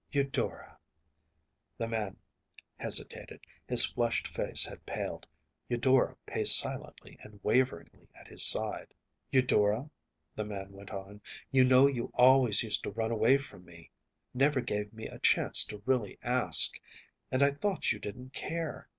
Eudora ‚ÄĚ The man hesitated. His flushed face had paled. Eudora paced silently and waveringly at his side. ‚ÄúEudora,‚ÄĚ the man went on, “you know you always used to run away from me never gave me a chance to really ask; and I thought you didn’t care.